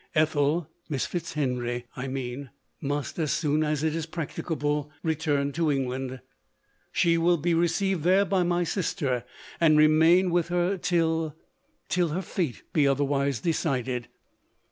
Ethel— Miss Fitzhenry, I vol. i. N 266 LODORE. mean — must, as soon as is practicable, return to England. She will be received there by my sister, and remain with her till — till her fate be otherwise decided.